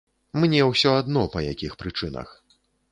Мне ўсё адно, па якіх прычынах.